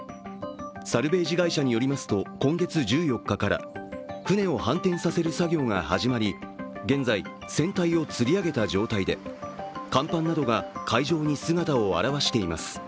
サルベージ会社によりますと、今月１４日から船を反転させる作業が始まり現在、船体をつり上げた状態で甲板などが海上に姿を現しています。